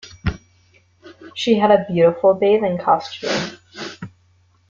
She had a beautiful bathing costume